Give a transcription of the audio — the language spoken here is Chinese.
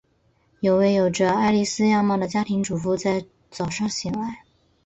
有位有着艾莉丝样貌的家庭主妇在早上醒来。